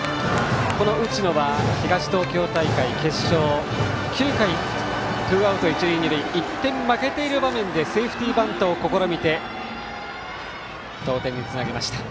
この打野は東東京大会決勝９回、ツーアウト一塁二塁１点負けている場面でセーフティーバントを試みて同点につなげました。